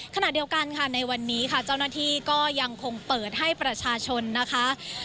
ขณะเดียวกันค่ะในวันนี้ค่ะเจ้าหน้าที่ก็ยังคงเปิดให้ประชาชนนะคะ